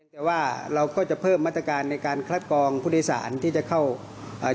แต่ว่าเราก็จะเพิ่มมาตรการในการคัดกรองผู้โดยสารที่จะเข้าอ่า